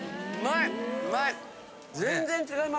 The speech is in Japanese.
うまい！